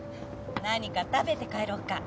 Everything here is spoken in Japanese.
何か食べて帰ろっか。